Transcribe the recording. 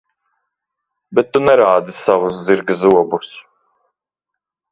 Bet tu nerādi savus zirga zobus.